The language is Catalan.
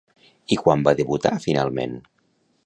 I quan va debutar finalment?